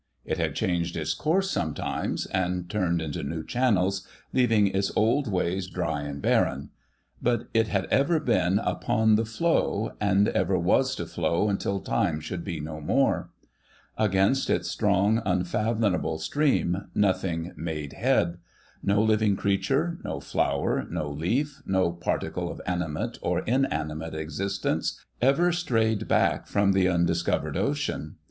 It had changed its course sometimes, and turned into new channels, leaving its old ways dry and barren ; but it had ever been upon the flow, and ever was to flow until Time should be no more. Against its strong, unfathom able stream, nothing made head. No living creature, no flower, no leaf, no particle of animate or inanimate existence, ever strayed back from the undiscovered ocean.